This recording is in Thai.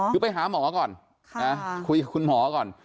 คือไปหาหมอก่อนคุยกับคุณหมอก่อน